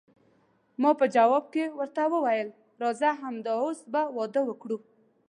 ما په جواب کې ورته وویل، راځه همد اوس به واده وکړو.